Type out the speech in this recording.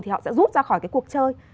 thì họ sẽ rút ra khỏi cái cuộc chơi